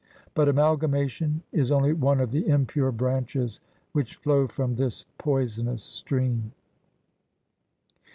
But amalgamation is only one of the impure branches which flow from this poisonous stream.